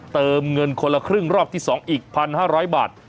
เติมเงินคนละครึ่งรอบที่๒อีก๑๕๐๐บาท